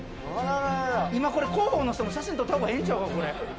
今これ広報の人も写真撮ったほうがええんちゃうか？